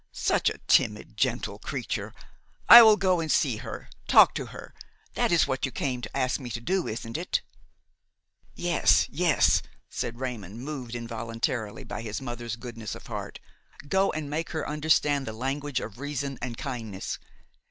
"Such a timid, gentle creature! I will go and see her, talk to her! that is what you came to ask me to do, isn't it?" "Yes, yes," said Raymon, moved involuntarily by his mother's goodness of heart; "go and make her understand the language of reason and kindness.